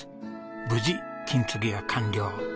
無事金継ぎが完了。